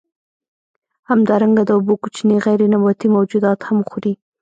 همدارنګه د اوبو کوچني غیر نباتي موجودات هم خوري.